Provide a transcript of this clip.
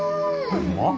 うまっ。